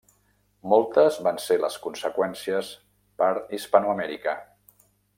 Moltes van ser les conseqüències per Hispanoamèrica.